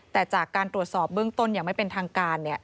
แต่จากการตรวจสอบเบื้องต้นอย่างไม่เป็นทางการ